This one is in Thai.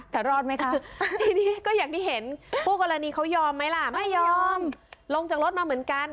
แต่รอดไหมคะทีนี้ก็อย่างที่เห็นคู่กรณีเขายอมไหมล่ะไม่ยอมลงจากรถมาเหมือนกัน